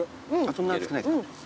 そんな熱くないですか？